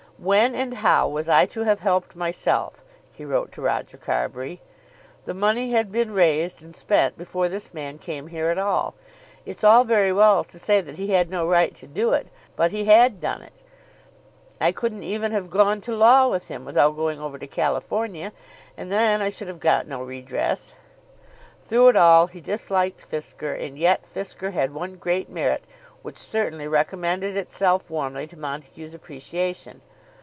"When and how was I to have helped myself?" he wrote to Roger Carbury. "The money had been raised and spent before this man came here at all. It's all very well to say that he had no right to do it; but he had done it. I couldn't even have gone to law with him without going over to California, and then I should have got no redress." Through it all he disliked Fisker, and yet Fisker had one great merit which certainly recommended itself warmly to Montague's appreciation.